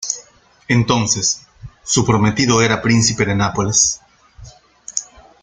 Entonces, su prometido era príncipe de Nápoles.